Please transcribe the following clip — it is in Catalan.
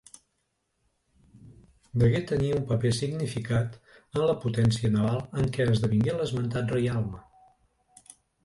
Degué tenir un paper significat en la potència naval en què esdevingué l'esmentat reialme.